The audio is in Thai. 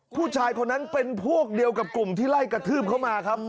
ผู้ชายคนนั้นเป็นพวกเดียวกับกลุ่มที่ไล่กระทืบเข้ามาครับ